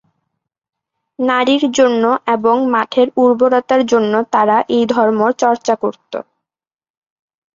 নারীর জন্য এবং মাঠের উর্বরতার জন্য তারা এই ধর্ম চর্চা করত।